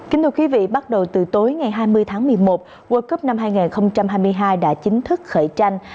kính thưa quý vị bắt đầu từ tối ngày hai mươi tháng một mươi một world cup năm hai nghìn hai mươi hai đã chính thức khởi tranh